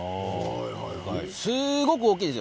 すごく大きいです。